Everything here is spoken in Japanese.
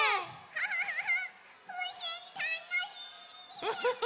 キャハハハふうせんたのしい！